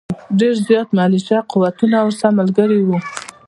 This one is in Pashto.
ډېر زیات ملېشه قوتونه ورسره ملګري وو.